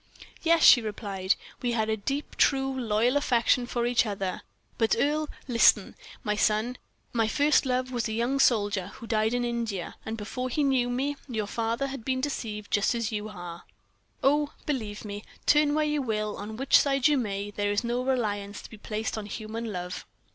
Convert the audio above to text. "Yes," she replied, "we had a deep, true, loyal affection for each other, but, Earle, listen, my son. My first love was a young soldier, who died in India; and before he knew me, your father had been deceived just as you have been. Oh! believe me, turn where you will, on which side you may, there is no reliance to be placed on human love."